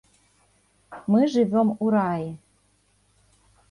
Мы жывём у раі.